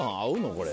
これ。